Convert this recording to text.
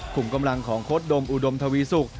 กลุ่มกำลังของโค้ดดมอุดมทวีสุก